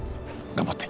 頑張って。